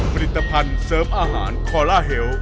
ผลิตภัณฑ์เสริมอาหารคอลลาเฮล